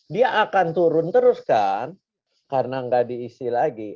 dia akan turun terus kan karena nggak diisi lagi